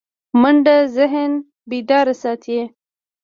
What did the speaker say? منډه ذهن بیدار ساتي